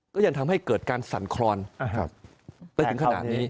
ก็ยังทำให้เกิดการสั่นครอนไปถึงขนาดนี้